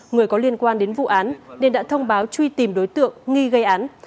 người có liên quan đến vụ án nên đã thông báo truy tìm đối tượng nghi gây án